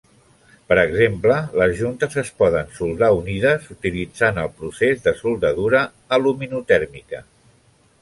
Per exemple, les juntes es poden soldar unides utilitzant el procés de soldadura aluminotèrmica.